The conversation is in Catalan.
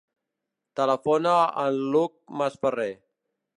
Telefona a l'Hug Masferrer.